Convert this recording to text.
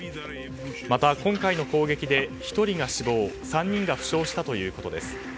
また今回の攻撃で１人が死亡３人が負傷したということです。